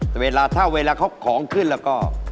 แต่เวลาถ้าเวลาเขาของขึ้นแล้วก็